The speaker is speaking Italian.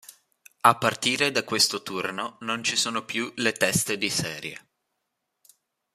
A partire da questo turno non ci sono più le teste di serie.